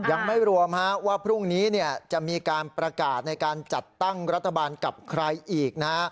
ยังไม่รวมว่าพรุ่งนี้จะมีการประกาศในการจัดตั้งรัฐบาลกับใครอีกนะฮะ